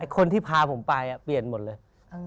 คนที่พาผมไปเปลี่ยนหมดเลย